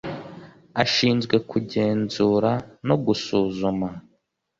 ashinzwe kugenzura no gusuzuma .